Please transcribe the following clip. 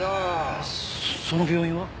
へえその病院は？